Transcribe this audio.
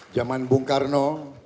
jaman bung karno